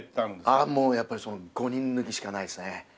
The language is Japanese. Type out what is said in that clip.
ああもうやっぱり５人抜きしかないですね。